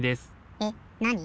えっなに？